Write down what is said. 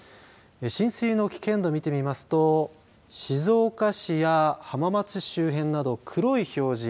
浸水の危険度、見てみますと静岡市や浜松市周辺など黒い表示